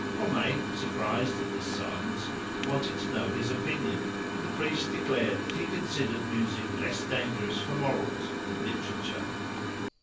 Homais, surprised at this silence, wanted to know his opinion, and the priest declared that he considered music less dangerous for morals than literature.